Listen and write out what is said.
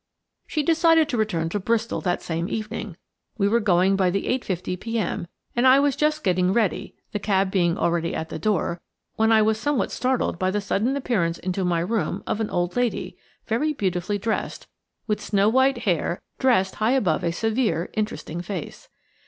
She decided to return to Bristol that same evening. We were going by the 8.50 p.m., and I was just getting ready–the cab being already at the door–when I was somewhat startled by the sudden appearance into my room of an old lady, very beautifully dressed, with snow white hair dressed high above a severe, interesting face.